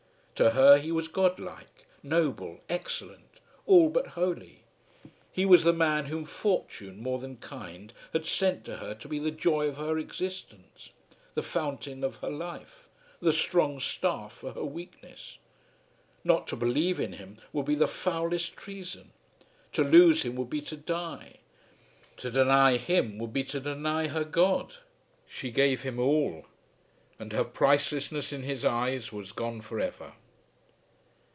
To her he was godlike, noble, excellent, all but holy. He was the man whom Fortune, more than kind, had sent to her to be the joy of her existence, the fountain of her life, the strong staff for her weakness. Not to believe in him would be the foulest treason! To lose him would be to die! To deny him would be to deny her God! She gave him all; and her pricelessness in his eyes was gone for ever.